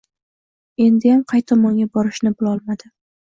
Endiyam qay tomonga borishini bilolmadi.